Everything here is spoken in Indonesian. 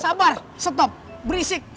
sabar stop berisik